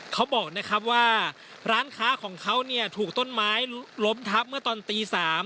เขาบอกนะครับว่าร้านค้าของเขาเนี่ยถูกต้นไม้ล้มทับเมื่อตอนตี๓